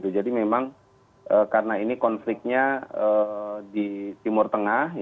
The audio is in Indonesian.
jadi memang karena ini konfliknya di timur tengah